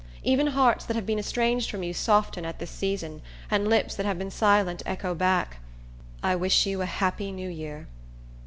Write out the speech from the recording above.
Even hearts that have been estranged from you soften at this season, and lips that have been silent echo back, "I wish you a happy New Year."